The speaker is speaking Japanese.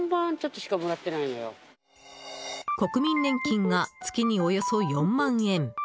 国民年金が、月におよそ４万円。